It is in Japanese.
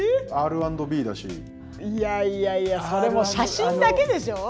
いやいやいやそれもう写真だけでしょう？